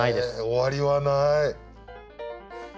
終わりはない。